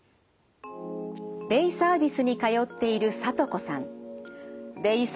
デイサービスに通っているさとこさん。